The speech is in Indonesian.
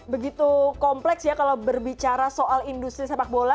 begitu kompleks ya kalau berbicara soal industri sepak bola